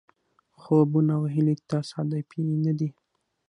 خوبونه او هیلې تصادفي نه دي.